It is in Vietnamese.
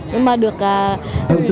nhưng mà được em ở bạc sứ